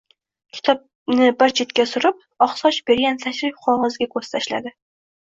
Kitobni bir chetga surib, oqsoch bergan tashrif qog`oziga ko`z tashladi